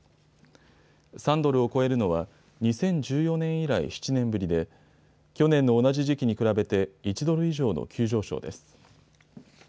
３ドルを超えるのは２０１４年以来７年ぶりで去年の同じ時期に比べて１ドル以上の急上昇です。